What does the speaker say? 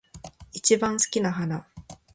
一番好きな花